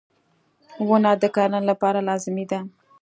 • ونه د کرنې لپاره لازمي ده.